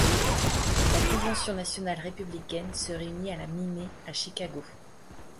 La convention nationale républicaine se réunit à la mi-mai à Chicago.